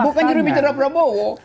bukan juru bicara prabowo